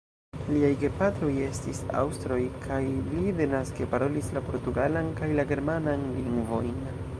Liaj gepatroj estis aŭstroj kaj li denaske parolis la portugalan kaj la germanan lingvojn.